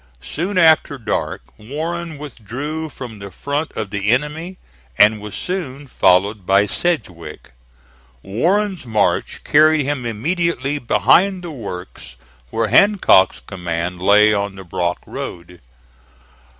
Soon after dark Warren withdrew from the front of the enemy, and was soon followed by Sedgwick. Warren's march carried him immediately behind the works where Hancock's command lay on the Brock Road.